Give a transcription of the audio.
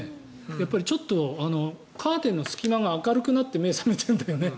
やっぱりちょっとカーテンの隙間が明るくなって目が覚めているんだよね。